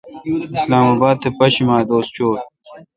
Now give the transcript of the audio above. اسلام اباد تھ پاشیمہ دوس چوں ۔